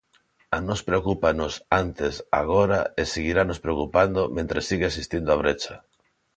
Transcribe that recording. A nós preocúpanos: antes, agora, e seguiranos preocupando mentres siga existindo a brecha.